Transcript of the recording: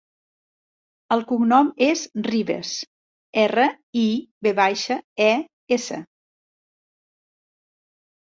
El cognom és Rives: erra, i, ve baixa, e, essa.